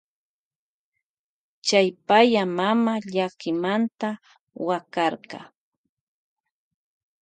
Chay paya mama wakarka llakimanta.